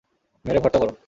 মেরে ভর্তা কর।